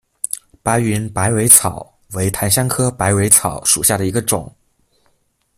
白云百蕊草为檀香科百蕊草属下的一个种。